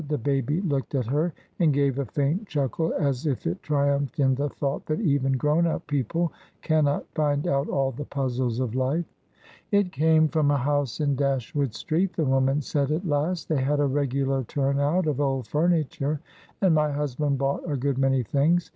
The baby looked at her and gave a faint chuckle, as if it triumphed in the thought that even grown up people cannot find out all the puzzles of life. "It came from a house in Dashwood Street," the woman said at last. "They had a regular turn out of old furniture, and my husband bought a good many things.